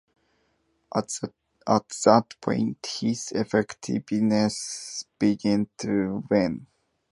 At that point, his effectiveness began to wane.